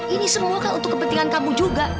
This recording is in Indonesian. ini semua kan untuk kepentingan kamu juga